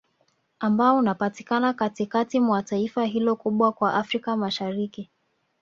Ambao unapatikana Katikati mwa taifa hilo kubwa kwa Afrika Mashariki